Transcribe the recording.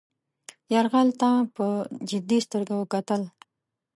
یرغل ته په جدي سترګه کتل.